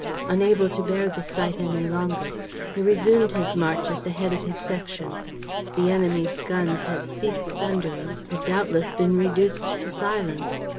Unable to bear the sight any longer, he resumed his march at the head of his section. The enemy's guns had ceased thundering, had doubtless been reduced to silence.